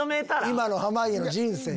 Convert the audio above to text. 今の濱家の人生。